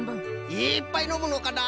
いっぱいのむのかな？